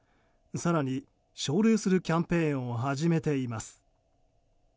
更に奨励するキャンペーンを始めています。